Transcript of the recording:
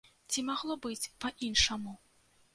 Ці магло быць па-іншаму?